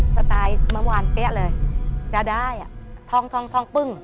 สไตล์เมื่อวานแป๊ะเลยจะได้อ่ะท้องท้องท้องปึ้ง